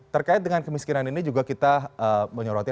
terkait dengan kemiskinan ini juga kita menyoroti